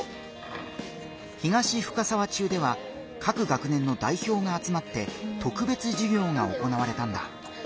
東深沢中では各学年の代表があつまって特別授業が行われたんだ。